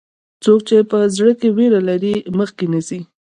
څوک چې په زړه کې ویره لري، مخکې نه ځي.